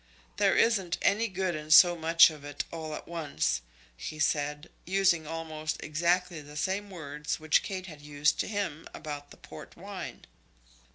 "There isn't any good in so much of it, all at once," he said, using almost exactly the same words which Kate had used to him about the port wine.